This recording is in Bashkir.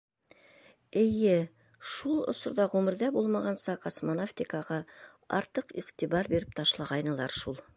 Эйе, шул осорҙа ғүмерҙә булмағанса космонавтикаға артыҡ иғтибар биреп ташлағайнылар шул.